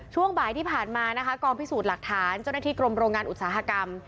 ช่วงบ่ายที่ผ่านมานะคะกองพิสูจน์หลักฐานเจ้าหน้าที่กรมโรงงานอุตสาหกรรม